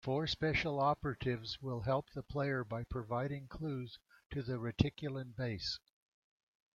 Four special operatives will help the player by providing clues to the Reticulan base.